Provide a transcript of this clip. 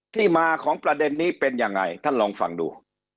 ที่มาของประเด็นนี้เป็นยังไงท่านลองฟังดู